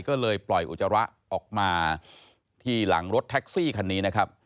ก็เลยปล่อยอุจจาระออกมาที่หลังรถแท็กซี่คันนี้นะครับ